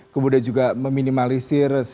kemudian juga meminimalisir